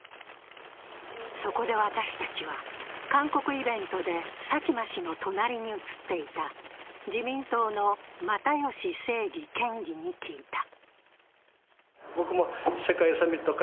そこで私たちは韓国イベントで佐喜真氏の隣に写っていた自民党の又吉清義県議に聞いた。